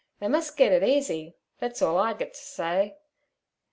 They mus' git it easy—thet's all I gut t' say.